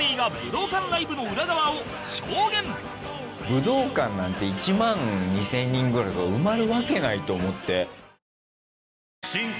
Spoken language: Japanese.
武道館なんて１万２０００人ぐらいが埋まるわけないと思って。